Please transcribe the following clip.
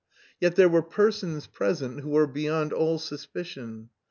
Yet there were persons present who were beyond all suspicion.